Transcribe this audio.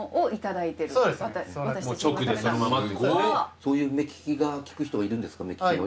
そういう目利きが利く人がいるんですか？